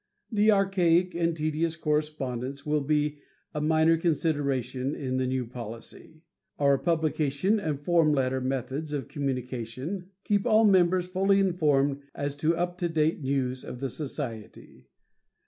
The archaic and tedious correspondence will be a minor consideration in the new policy. Our publications and form letter methods of communication keep all members fully informed as to up to date news of the Society.